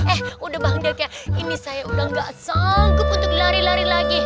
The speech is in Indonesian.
eh udah bangdek ya ini saya udah gak sanggup untuk lari lari lagi